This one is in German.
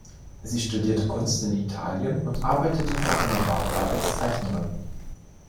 Sie studierte Kunst in Italien und arbeitete für Hanna-Barbera als Zeichnerin.